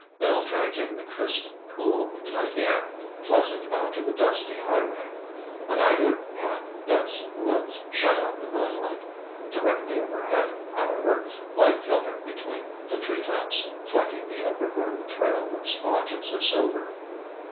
Bill drank in the crisp, cool night air, pleasant after the dusty highway. On either hand dense woods shut out the moonlight. Directly overhead, however, light filtered between the treetops, flecking the overgrown trail with splotches of silver.